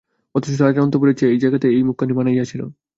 অথচ, রাজার অন্তঃপুরের চেয়ে এই জায়গাতেই এই মুখখানি মানাইয়াছিল।